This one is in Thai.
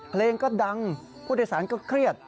เพลงก็ดังผู้โดยสารก็เครียด